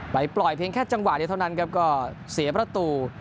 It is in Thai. ปล่อยเพียงแค่จังหวะเดียวเท่านั้นครับก็เสียประตู